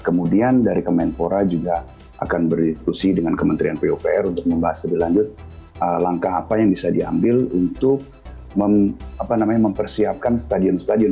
kemudian dari kemenpora juga akan berdiskusi dengan kementerian pupr untuk membahas lebih lanjut langkah apa yang bisa diambil untuk mempersiapkan stadion stadion